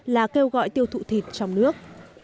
là kêu gọi tiêu thụ thịt trong nước